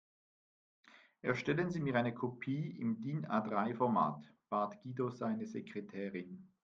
Erstellen Sie mir eine Kopie im DIN-A-drei Format, bat Guido seine Sekretärin.